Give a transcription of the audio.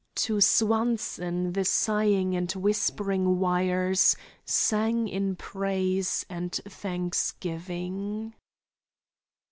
To Swanson the sighing and whispering wires sang in praise and thanksgiving.